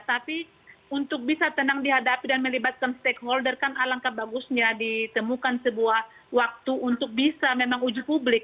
tapi untuk bisa tenang dihadapi dan melibatkan stakeholder kan alangkah bagusnya ditemukan sebuah waktu untuk bisa memang uji publik